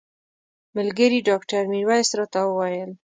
ملګري ډاکټر میرویس راته وویل.